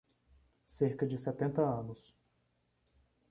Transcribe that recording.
Cerca de setenta anos